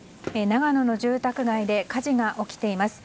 長野の住宅街で火事が起きています。